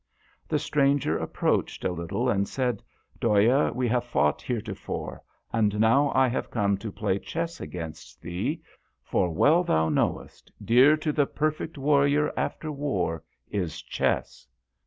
The stranger approached a little, and said, " Dhoya we have fought heretofore, and now I have come to play chess against thee, for well thou knowest, dear to the perfect warrior after war is chess."